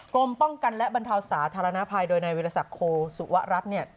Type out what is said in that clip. กรมป้องกันและบรรเทาสาธารณภัยโดยนายวิทยาศักดิ์โคสุวรัฐเนี่ย